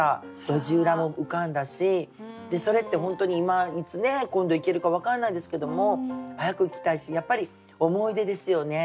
路地裏も浮かんだしそれって本当に今いつ今度行けるか分からないですけども早く行きたいしやっぱり思い出ですよね。